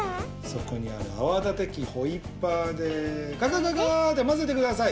そこにあるあわだてきホイッパーでガガガガーってまぜてください。